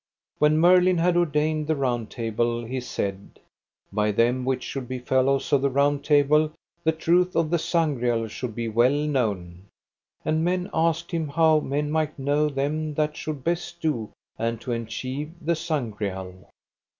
When Merlin had ordained the Round Table he said, by them which should be fellows of the Round Table the truth of the Sangreal should be well known. And men asked him how men might know them that should best do and to enchieve the Sangreal?